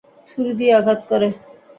ছুরি দিয়ে আঘাত করে।